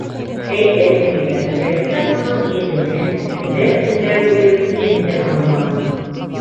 Әйтерһең дә, рәссам уның йөҙөнән көндәр-төндәр буйы күҙен дә алмаған.